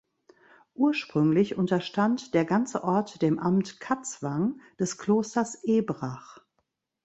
Ursprünglich unterstand der ganze Ort dem Amt Katzwang des Klosters Ebrach.